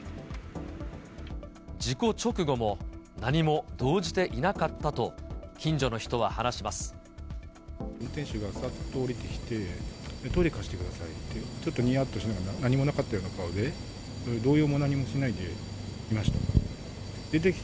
事故直後も何も動じていなかったと、運転手がさっと降りてきて、トイレ貸してくださいって、ちょっとにやっとしながら、何もなかったような顔で、動揺も何もしないでいました。